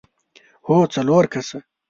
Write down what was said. هو، څلور کسه!